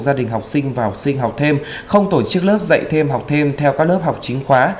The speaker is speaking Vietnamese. gia đình học sinh và học sinh học thêm không tổ chức lớp dạy thêm học thêm theo các lớp học chính khóa